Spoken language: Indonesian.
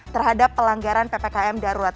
terhadap pelanggaran ppkm darurat